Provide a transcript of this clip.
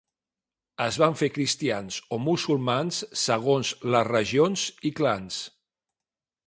Es van fer cristians o musulmans segons les regions i clans.